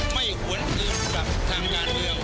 ไม่อ้วนคืนกับทางงานเรียง